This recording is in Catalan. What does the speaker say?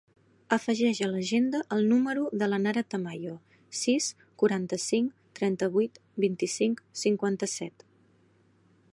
Afegeix a l'agenda el número de la Nara Tamayo: sis, quaranta-cinc, trenta-vuit, vint-i-cinc, cinquanta-set.